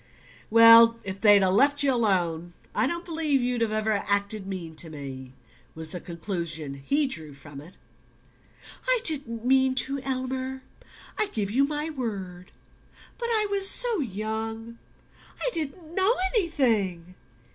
"Well, if they'd left you alone I don't believe you'd ever have acted mean to me," was the conclusion he drew from it. "I didn't mean to, Elmer ... I give you my word but I was so young ... I didn't know anything...."